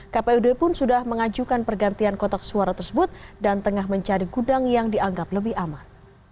kpud pun sudah mengajukan pergantian kotak suara tersebut dan tengah mencari gudang yang dianggap lebih aman